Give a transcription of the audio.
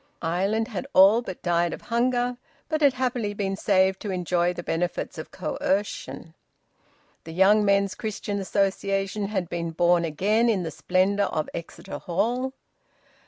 Ireland had all but died of hunger, but had happily been saved to enjoy the benefits of Coercion. The Young Men's Christian Association had been born again in the splendour of Exeter Hall.